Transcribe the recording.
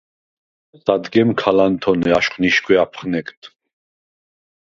სადგემ ქა ლანთონე აშხვ ნიშგე აფხნეგდ: